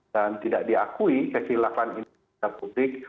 dan tidak diakui kekelakuan ini di pemerintah publik